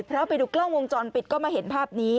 เพราะไปดูกล้องวงจรปิดก็มาเห็นภาพนี้